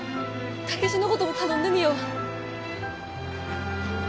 タケシのごとも頼んでみよう！